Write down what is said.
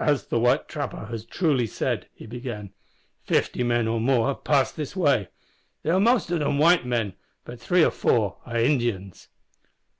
"As the white trapper has truly said," he began, "fifty men or more have passed this way. They are most of them white men, but three or four are Indians."